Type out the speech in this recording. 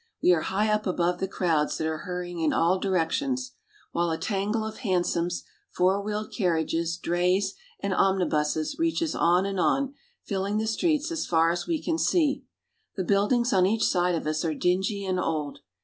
We are high up above the crowds that are hurrying in all directions ; while a tangle of hansoms, four wheeled carriages, drays, and omnibuses reaches on and on, filling the streets as far as we can see. The buildings on each side of us are dingy and old.